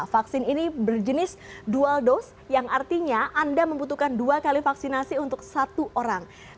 vaksin ini berjenis dual dose yang artinya anda membutuhkan dua kali vaksinasi untuk satu orang